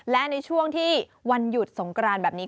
และในช่วงที่วันหยุดสงกรานแบบนี้